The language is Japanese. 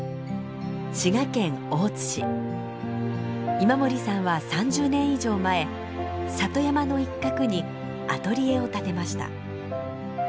今森さんは３０年以上前里山の一角にアトリエを建てました。